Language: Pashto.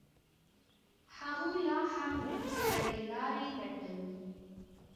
هغوی لا هم د څېړني لارې لټوي.